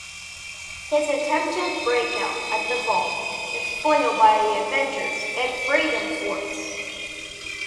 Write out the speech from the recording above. His attempted breakout at the Vault is foiled by the Avengers and Freedom Force.